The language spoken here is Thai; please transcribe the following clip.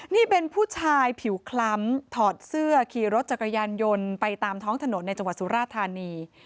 นี่เป็นผู้ชายผิวคล้ำถอดเสื้อขี่รถจักรยานยนต์ไปตามท้องถนนในจังหวัดสุราธานี